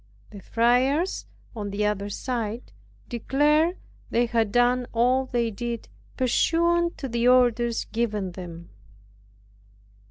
The friars, on the other side declared, they had done all they did, pursuant to the orders given them.